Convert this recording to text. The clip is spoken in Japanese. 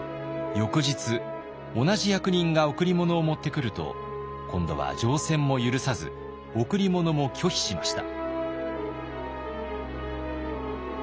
翌日同じ役人が贈り物を持ってくると今度は乗船も許さず贈り物も拒否しました。